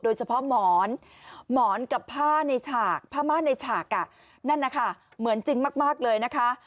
โดยเฉพาะหมอนหมอนกับผ้าในฉากผ้าม่านในฉากนั่นนะคะเหมือนจริงมากเลยนะคะ